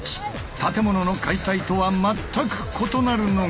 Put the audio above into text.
建物の解体とは全く異なるのが。